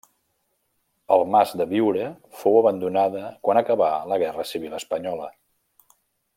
El mas de Biure fou abandonada quan acabà la Guerra Civil Espanyola.